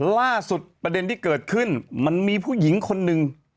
ล่าสุดประเด็นที่เกิดขึ้นมันมีผู้หญิงคนหนึ่ง